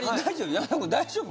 山田君大丈夫？